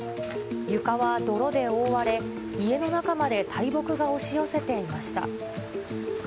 床は泥で覆われ、家の中まで大木が押し寄せていました。